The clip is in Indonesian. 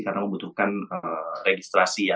karena membutuhkan registrasi ya